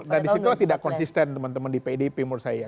nah disitulah tidak konsisten teman teman di pdip menurut saya